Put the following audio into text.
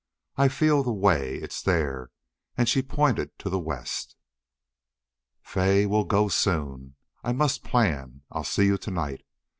"I feel the way. It's there!" And she pointed to the west. "Fay, we'll go soon. I must plan. I'll see you to night.